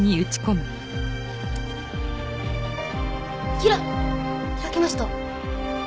ひら開きました。